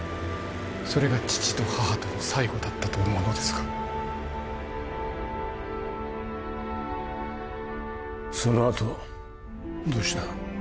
それが父と母との最後だったと思うのですがそのあとどうした？